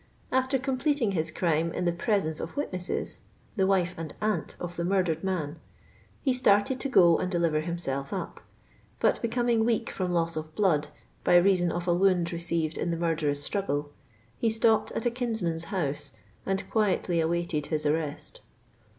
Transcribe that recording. '* AAer completing his crime in the presence of witnesses — the wife and annt of the<mj}j[;]^red man— he started to go and deliver himself up, but becoming weak from loss of blood by reason of a wound received in the murderotis struggle, he stopped at a kinsman's house and *^ quietly awaited his arrest."